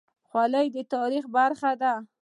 خولۍ د تاریخ برخه ده.